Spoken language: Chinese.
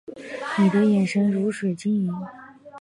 你的眼神如水晶莹